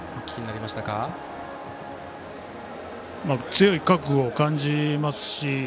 強い覚悟を感じますし。